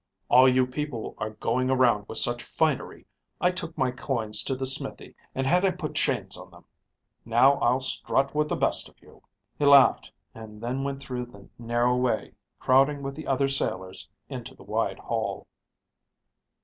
"All you people are going around with such finery, I took my coins to the smithy and had him put chains on them. Now I'll strut with the best of you." He laughed, and then went through the narrow way, crowding with the other sailors into the wide hall.